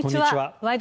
「ワイド！